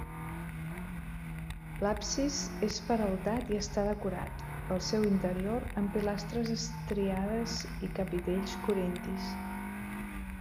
L'absis és peraltat i està decorat, al seu interior, amb pilastres estriades i capitells corintis.